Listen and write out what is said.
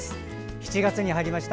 ７月に入りました。